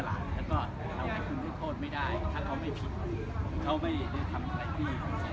แล้วก็ทำให้คุณให้โทษไม่ได้ถ้าเขาไม่ผิดเขาไม่ได้ทำอะไรที่